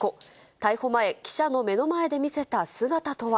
逮捕前、記者の目の前で見せた姿とは。